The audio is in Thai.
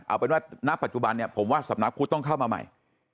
เอาเป็นว่าณปัจจุบันเนี่ยผมว่าสำนักพุทธต้องเข้ามาใหม่